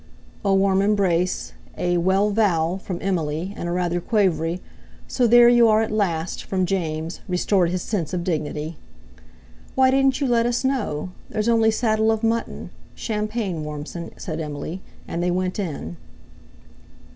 A warm embrace, a "Well, Val!" from Emily, and a rather quavery "So there you are at last!" from James, restored his sense of dignity. "Why didn't you let us know? There's only saddle of mutton. Champagne, Warmson," said Emily. And they went in.